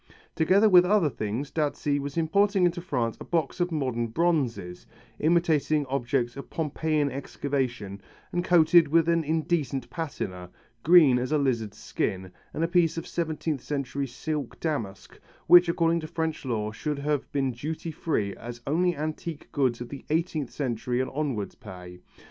Together with other things, Dazzi was importing into France a box of modern bronzes, imitating objects of Pompeiian excavation and coated with an indecent patina, green as a lizard's skin, and a piece of seventeenth century silk damask, which according to French law should have been duty free as only antique goods of the eighteenth century and onwards pay.